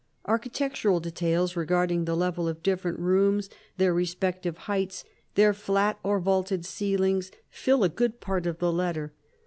Architectural details regarding the level of different rooms, their respective heights, their flat or vaulted ceilings, fill a good part of the letter.